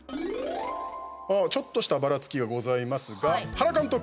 ちょっとしたばらつきがございますが、原監督。